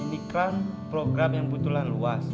ini keren program yang kebetulan luas